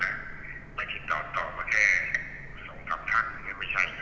คุณพ่อได้จดหมายมาที่บ้าน